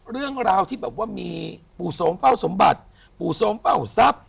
เรื่องราวที่แบบว่ามีปู่โสมเฝ้าสมบัติปู่โสมเฝ้าทรัพย์